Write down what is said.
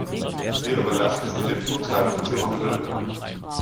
Wir überlassen sie dem Urteil unserer Völker.